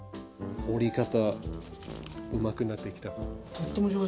折り方うまくなってきたかも。